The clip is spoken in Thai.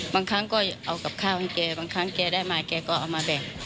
บางครั้งก็เอากับข้าวให้แกบางครั้งแกได้มาแกก็เอามาแบ่ง